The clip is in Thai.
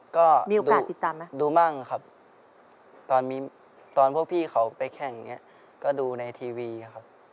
ก็ดูมากครับตอนพวกพี่เขาไปแข่งอย่างนี้ก็ดูในทีวีครับ